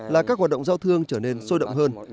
là các hoạt động giao thương trở nên sôi động hơn